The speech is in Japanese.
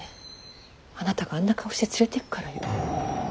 あなたがあんな顔して連れていくからよ。